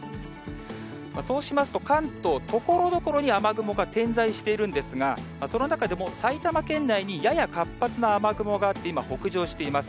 そうしますと、関東、ところどころに雨雲が点在しているんですが、その中でも埼玉県内にやや活発な雨雲があって、今、北上しています。